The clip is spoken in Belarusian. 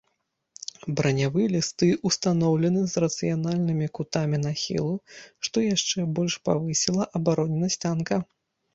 Бранявыя лісты ўстаноўлены з рацыянальнымі кутамі нахілу, што яшчэ больш павысіла абароненасць танка.